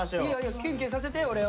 キュンキュンさせて俺を。